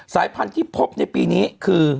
สายพันธุ์ที่พบในปีนี้คือ